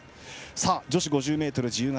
女子５０ｍ自由形。